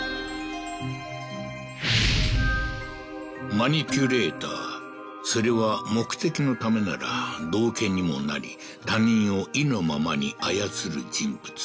マニピュレーターそれは目的のためなら道化にもなり他人を意のままに操る人物